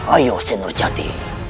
ayo senur jati